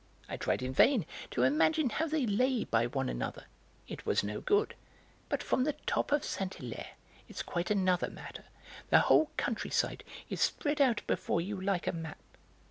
I tried in vain to imagine how they lay by one another; it was no good. But, from the top of Saint Hilaire, it's quite another matter; the whole countryside is spread out before you like a map.